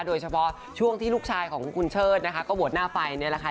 โดยเฉพาะช่วงที่ลูกชายของคุณเชิดนะคะก็บวชหน้าไฟเนี่ยแหละค่ะ